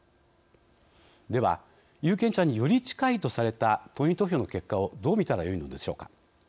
では、有権者により近いとされた党員投票の結果をどう見たらよいのでしょうか。